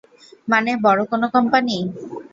মানে, বড় কোনো কোম্পানি?